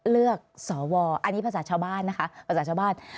เลือกสวอันนี้ภาษาชาวบ้าน